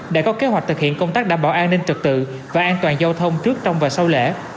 đã có kế hoạch thực hiện công tác đảm bảo an ninh trật tự và an toàn giao thông trước trong và sau lễ